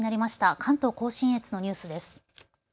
関東甲信越のニュースです。